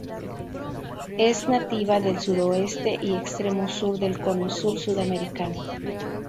Es nativa del suroeste y extremo sur del Cono Sur sudamericano.